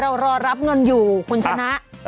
รอรับเงินอยู่คุณชนะ